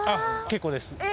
結構です。